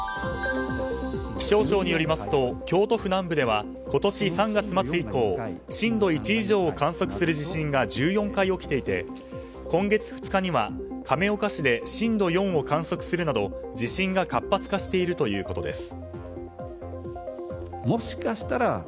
気象庁によりますと京都府南部では今年３月末以降震度１以上を観測する地震が１４回起きていて、今月２日には亀岡市で震度４を観測するなど地震が活発化しているとのことです。